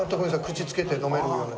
口つけて飲めるように。